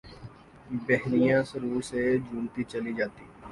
ہہنیاں سرور سے جھومتی چلی جاتیں